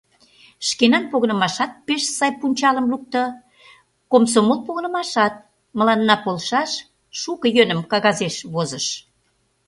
Шкенан погынымашат пеш сай пунчалым лукто, комсомол погынымашат мыланна полшаш шуко йӧным кагазеш возыш.